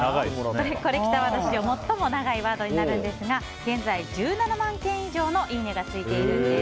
コレきたワード史上最も長いワードになるんですが現在、１７万件以上のいいねがついているんです。